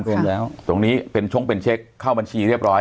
เป็นแล้วตรงนี้เป็นชงเป็นเช็คเข้าบัญชีเรียบร้อย